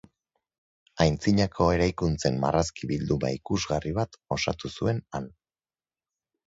Antzinako eraikuntzen marrazki bilduma ikusgarri bat osatu zuen han.